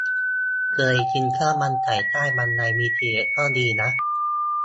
เคยกินข้าวมันไก่ใต้บันไดบีทีเอส ก็ดีนะ